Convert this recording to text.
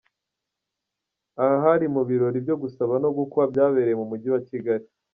Aha hari mu birori byo gusaba no gukwa byabereye mu mujyi wa Kigali.